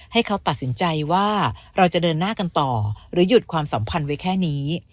ให้เขาตัดสินใจว่าเราจะเดินหน้ากันต่อหรือหยุดความสัมพันธ์ไว้แค่นี้